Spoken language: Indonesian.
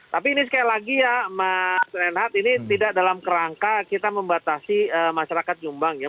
tapi ini sekali lagi ya mas renhat ini tidak dalam kerangka kita membatasi masyarakat jombang ya